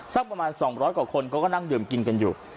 สักประมาณสองร้อยกว่าคนก็ก็นั่งดื่มกินกันอยู่